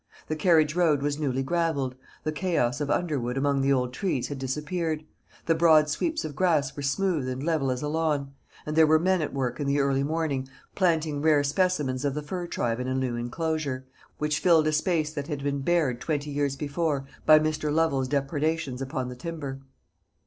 The carriage road was newly gravelled, the chaos of underwood among the old trees had disappeared, the broad sweeps of grass were smooth and level as a lawn, and there were men at work in the early morning, planting rare specimens of the fir tribe in a new enclosure, which filled a space that had been bared twenty years before by Mr. Lovel's depredations upon the timber.